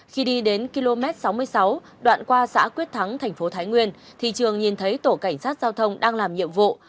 khi đi đến km sáu mươi sáu đoạn qua xã quyết thắng thành phố thái nguyên thì trường nhìn thấy tổ cảnh sát giao thông đang làm nhiệm vụ